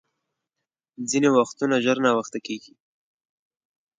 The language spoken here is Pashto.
ځیني وختونه ژر ناوخته کېږي .